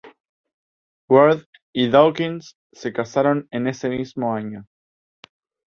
Ward y Dawkins se casaron en ese mismo año.